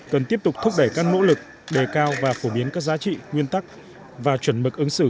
cần tiếp tục thúc đẩy các nỗ lực đề cao và phổ biến các giá trị nguyên tắc và chuẩn mực ứng xử